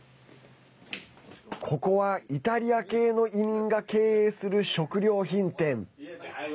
ここは、イタリア系の移民が経営する食料品店。